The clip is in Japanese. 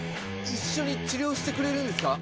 一緒に治療してくれるんですか？